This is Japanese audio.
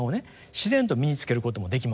自然と身につけることもできません。